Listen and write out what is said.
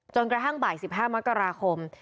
จนกระห้างบ่าย๑๕มักราคม